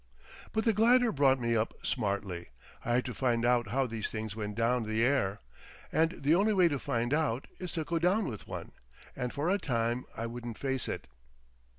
But the glider brought me up smartly. I had to find out how these things went down the air, and the only way to find out is to go down with one. And for a time I wouldn't face it.